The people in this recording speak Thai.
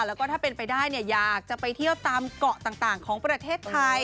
แล้วก็ถ้าเป็นไปได้อยากจะไปเที่ยวตามเกาะต่างของประเทศไทย